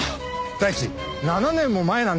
第一７年も前なんですよ。